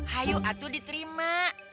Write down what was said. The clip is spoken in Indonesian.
hayu atuh diterima